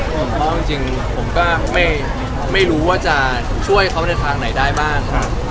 เพราะจริงผมก็ไม่รู้ว่าจะช่วยเขาในทางไหนได้บ้าง